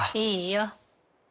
いいよ。